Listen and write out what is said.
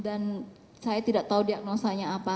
dan saya tidak tahu diagnosanya apa